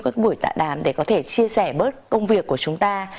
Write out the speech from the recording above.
các buổi tạ đàm để có thể chia sẻ bớt công việc của chúng ta